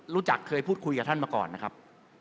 รู้จักเคยพูดคุยกับท่านมาก่อนนะครับ